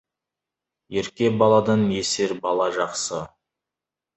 Ерке баладан есер бала жақсы.